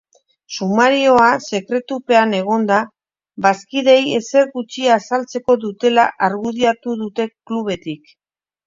Sumarioa sekretupean egonda, bazkideei ezer gutxi azaltzeko dutela argudiatu dute klubetik.